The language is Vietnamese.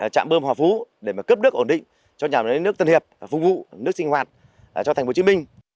đảm bơm hòa phú để cấp đất ổn định cho nhà nước tân hiệp phục vụ nước sinh hoạt cho thành phố hồ chí minh